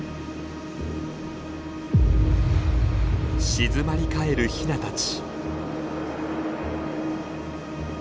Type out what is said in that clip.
静まり返るヒナたち。